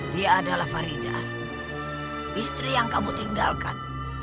dia adalah farida istri yang kamu tinggalkan